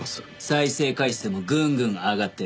再生回数もぐんぐん上がってる。